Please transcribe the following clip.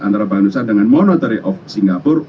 antara bangunan indonesia dengan monotree of singapura